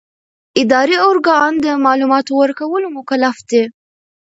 اداري ارګان د معلوماتو ورکولو مکلف دی.